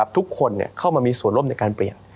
ทุกคนเข้ามามีส่วนร่วมในการเปลี่ยน